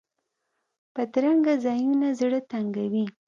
بدرنګه ځایونه زړه تنګوي